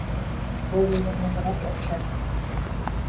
Был миңә нығыраҡ оҡшай.